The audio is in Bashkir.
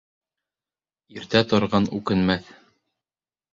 Иртә торған үкенмәҫ.